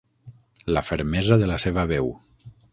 La fermesa de la seva veu.